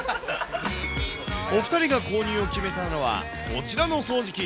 お２人が購入を決めたのは、こちらの掃除機。